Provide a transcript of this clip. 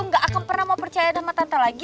gak akan pernah mau percaya sama tante lagi